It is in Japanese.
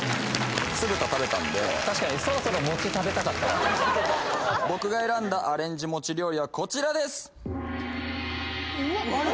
酢豚食べたんで・確かにそろそろ餅食べたかった僕が選んだアレンジ餅料理はこちらです！